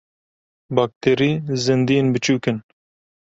Bakterî zindiyên biçûk in.